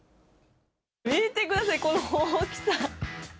見てください、この大きさ。